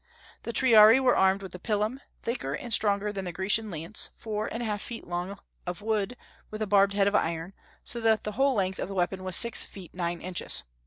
The Triarii were armed with the pilum, thicker and stronger than the Grecian lance, four and a half feet long, of wood, with a barbed head of iron, so that the whole length of the weapon was six feet nine inches.